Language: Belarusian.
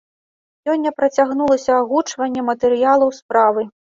Сёння працягнулася агучванне матэрыялаў справы.